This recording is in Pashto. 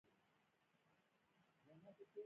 یا سجستان ته ترسره شوی